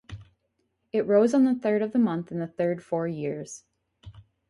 It rose on the third of the month in the third four years.